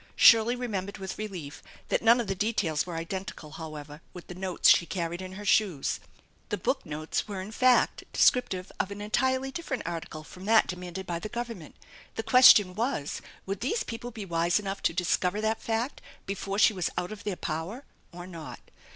Shirley remembered with relief that none of the details were identical, however, with the notes she carried in her shoes. The book notes were in fact descriptive of an entirely different article from that demanded by the Govern ment. The question was, would these people be wise enough to discover that f act before she was out of their power or not